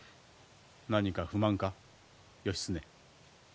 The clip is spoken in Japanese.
何か不満か義経。